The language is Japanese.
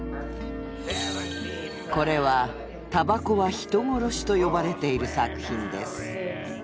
これは「タバコは人殺し」と呼ばれている作品です。